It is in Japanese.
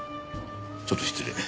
ちょっと失礼。